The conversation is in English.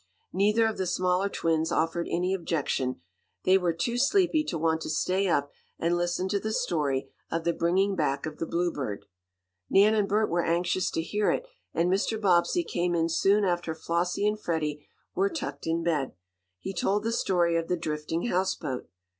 Neither of the smaller twins offered any objection. They were too sleepy to want to stay up and listen to the story of the bringing back of the Bluebird. Nan and Bert were anxious to hear it, and Mr. Bobbsey came in soon after Flossie and Freddie were tucked in bed. He told the story of the drifting houseboat.